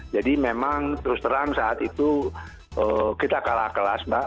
jadi memang terus terang saat itu kita kalah kelas mbak